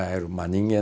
人間